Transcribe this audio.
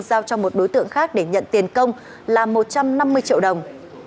giao cho một đối tượng khác để nhận tiền công là một trăm năm mươi triệu đồng